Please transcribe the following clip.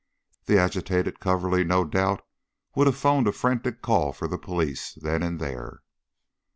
The agitated Coverly no doubt would have phoned a frantic call for the police, then and there.